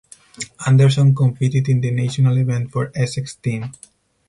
Anderson competed in the national event for Essex team.